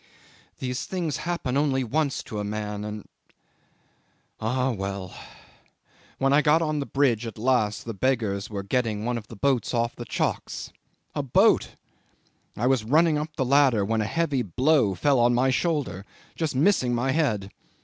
'"These things happen only once to a man and ... Ah! well! When I got on the bridge at last the beggars were getting one of the boats off the chocks. A boat! I was running up the ladder when a heavy blow fell on my shoulder, just missing my head.